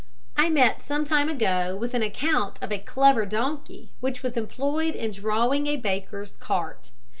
I met some time ago with an account of a clever donkey which was employed in drawing a baker's cart.